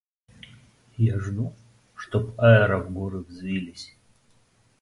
Я жду, чтоб аэро в горы взвились.